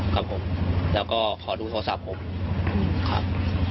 ครับผมแล้วก็ขอดูโทรศัพท์ผมครับ